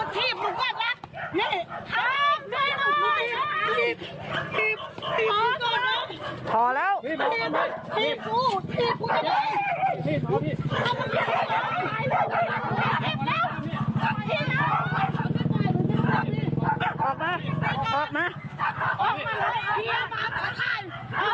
พี่ออกมา